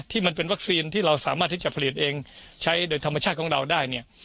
มันเป็นวัคซีนที่เราสามารถที่จะผลิตเองใช้โดยธรรมชาติของเราได้เนี่ย